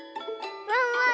ワンワン